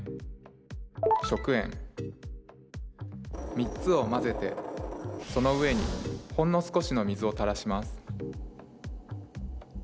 ３つを混ぜてその上にほんの少しの水をたらします。